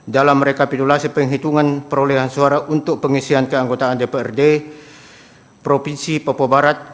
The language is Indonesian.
dalam rekapitulasi penghitungan perolehan suara untuk pengisian keanggotaan dprd provinsi papua barat